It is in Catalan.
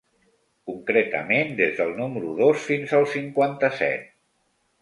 Concretament des del número dos fins al cinquanta-set.